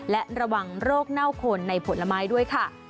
และระวังโรคเน่าคนในผลไม้ด้วยค่ะ